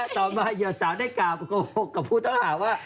ต่อมาเหยียวสาวได้กาวภูมิกับผู้เถอะอ่าว่า